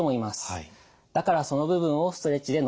だからその部分をストレッチで伸ばすんですね。